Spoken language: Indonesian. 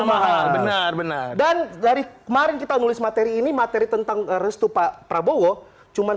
mahal benar benar dan dari kemarin kita nulis materi ini materi tentang restu pak prabowo cuman